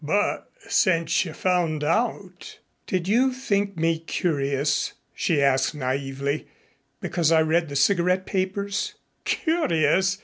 But since you found out " "Did you think me curious " she asked naïvely, "because I read the cigarette papers?" "Curious!"